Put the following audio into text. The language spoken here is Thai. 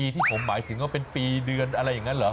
ที่ผมหมายถึงว่าเป็นปีเดือนอะไรอย่างนั้นเหรอ